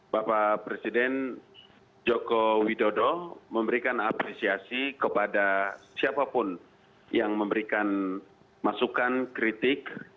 bapak presiden joko widodo memberikan apresiasi kepada siapapun yang memberikan masukan kritik